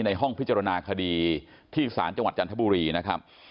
ห้องพิจารณาคดีที่ศาลจังหวัดจันทบุรีนะครับ